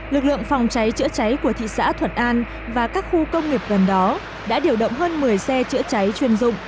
lực lượng phòng cháy chữa cháy của thị xã thuận an và các khu công nghiệp gần đó đã điều động hơn một mươi xe chữa cháy chuyên dụng